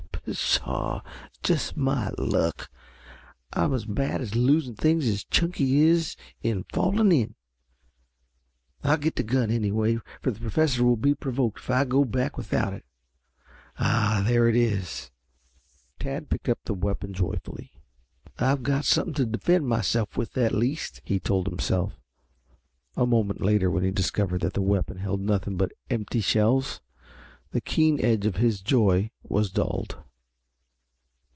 "Pshaw! Just my luck. I'm as bad at losing things as Chunky is in falling in. I'll get the gun anyway, for the Professor will be provoked if I go back without it. Ah, there it is." Tad picked up the weapon joyfully. "I've got something to defend myself with, at least," he told himself. A moment later when he discovered that the weapon held nothing but empty shells, the keen edge of his joy was dulled.